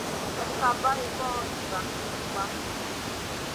Slèkka bày goyo diga culumba.